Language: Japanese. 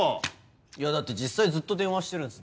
いやだって実際ずっと電話してるんですもん。